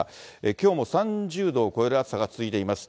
きょうも３０度を超える暑さが続いています。